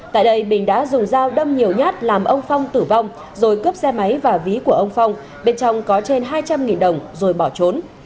tại đây bình đã dùng dao đâm nhiều nhát làm ông phong tử vong rồi cướp xe máy và ví của ông phong bên trong có trên hai trăm linh đồng rồi bỏ trốn